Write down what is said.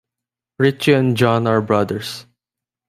Richie and John are brothers.